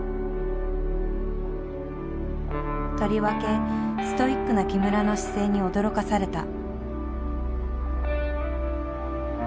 とりわけストイックな木村の姿勢に驚かされた。